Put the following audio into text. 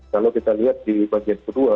kalau kita lihat di bagian kedua